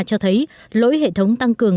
cho thấy lỗi hệ thống tăng cường